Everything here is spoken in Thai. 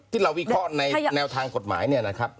วิเคราะห์ในแนวทางกฎหมายเนี่ยนะครับ